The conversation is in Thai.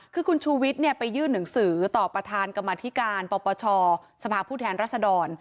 คือคุณชูวิทย์ไปยื่นหนังสือต่อประธานกรรมธิการปปชสภาพผู้แทนรัศดร